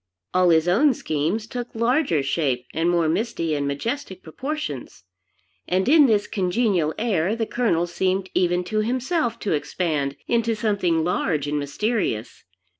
All his own schemes took larger shape and more misty and majestic proportions; and in this congenial air, the Colonel seemed even to himself to expand into something large and mysterious.